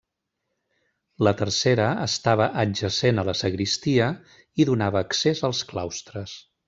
La tercera estava adjacent a la sagristia i donava accés als claustres.